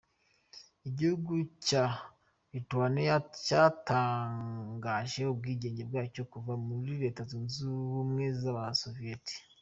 Igihugu cya Lithuania cyatangaje ubwigenge bwacyo kuva mu Leta y’ubumwe y’abasoviyeti.